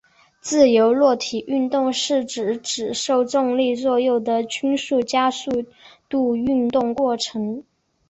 自由落体运动是指只受重力作用的均匀加速度运动过程。